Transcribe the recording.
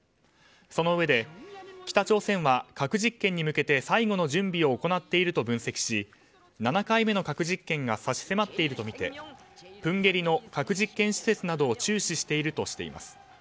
そのうえで北朝鮮は核実験へ向けて最後の準備を行っていると分析し、７回目の核実験が差し迫っているとみてプンゲリの核実験施設などを注視しているとしています。